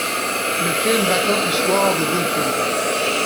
Le film raconte l'histoire de deux filles.